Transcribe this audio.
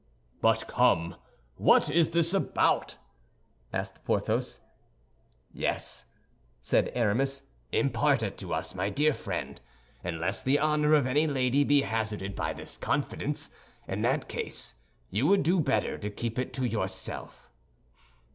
"But come, what is this about?" asked Porthos. "Yes," said Aramis, "impart it to us, my dear friend, unless the honor of any lady be hazarded by this confidence; in that case you would do better to keep it to yourself."